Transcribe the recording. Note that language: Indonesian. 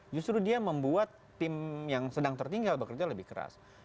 justru dia membuat tim yang sedang tertinggal bekerja lebih keras